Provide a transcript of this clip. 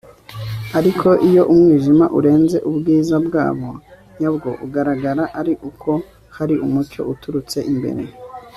ariko iyo umwijima urenze ubwiza bwabo nyabwo ugaragara ari uko hari umucyo uturutse imbere